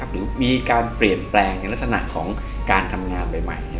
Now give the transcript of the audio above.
หรือมีการเปลี่ยนแปลงในลักษณะของการทำงานใหม่